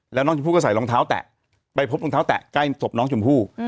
แล้วน้องชมพู่ก็ใส่รองเท้าแตะไปพบรองเท้าแตะใกล้ศพน้องชมพู่